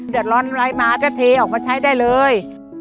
เดือดร้อนอะไรมาก็เทออกมาใช้ได้เลย